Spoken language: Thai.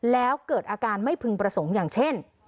แล้วเกิดอาการไม่พึงประสงค์อย่างเช่น